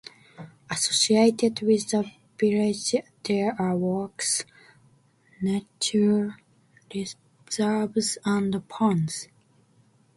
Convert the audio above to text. Associated with the village there are walks, nature reserves and ponds.